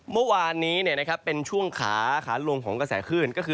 เมื่อวานนี้นี่เป็นช่วงขาลงกระแสขึ้น